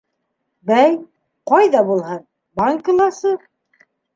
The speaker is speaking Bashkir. — Бәй, ҡайҙа булһын, банкыласы.